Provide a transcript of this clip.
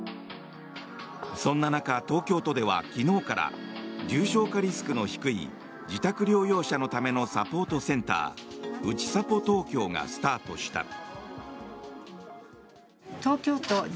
そんな中、東京都では昨日から重症化リスクの低い自宅療養者のためのサポートセンターうちさぽ東京がスタートした。